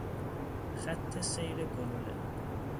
خط سیر گلوله